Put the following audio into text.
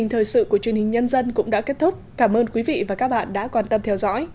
thời sự của truyền hình nhân dân cũng đã kết thúc cảm ơn quý vị và các bạn đã quan tâm theo dõi